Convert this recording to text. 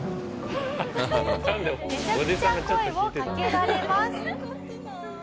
めちゃくちゃ声を掛けられます。